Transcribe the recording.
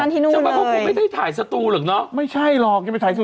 ที่นู่นเลยไม่ได้ถ่ายสตูหรือเปล่าไม่ใช่หรอกยังไม่ถ่ายสตู